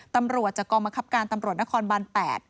ตำรวจจากกองบังคับการตำรวจนครบาน๘